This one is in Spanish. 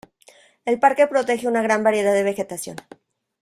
El parque protege una gran variedad de vegetación.